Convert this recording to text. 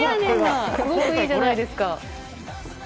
すごくいいじゃないですか。